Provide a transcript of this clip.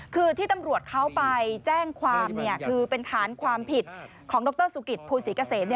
คือที่ตำรวจเขาไปแจ้งความคือเป็นฐานความผิดของดรสุกิตภูศรีเกษม